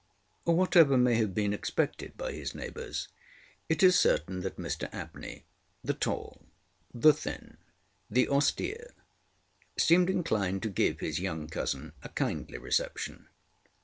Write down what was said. Whatever may have been expected by his neighbours, it is certain that Mr AbneyŌĆöthe tall, the thin, the austereŌĆöseemed inclined to give his young cousin a kindly reception.